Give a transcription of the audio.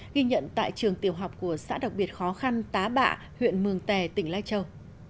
ghi nhận tại trường tiểu học của xã đặc biệt khó khăn tá bạ huyện mường tè tỉnh lai châu